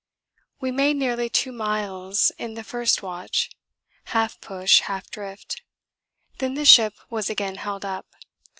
We made nearly 2 miles in the first watch half push, half drift. Then the ship was again held up.